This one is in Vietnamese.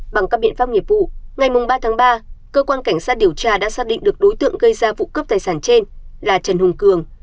bằng các biện pháp nghiệp vụ ngày ba tháng ba cơ quan cảnh sát điều tra đã xác định được đối tượng gây ra vụ cướp tài sản trên là trần hùng cường